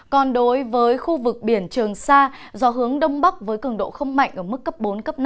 còn đối với khu vực biển trường sa gió hướng đông bắc với cường độ không mạnh ở mức cấp bốn năm